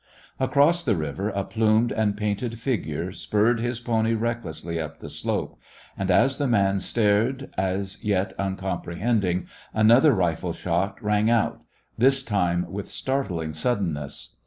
Across the river a plumed and painted figure spurred his pony recklessly up the slope, and, as the man stared, as yet imcompre bending, another rifle shot rang out, this time with startling suddenness.